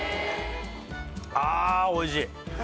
あおいしい！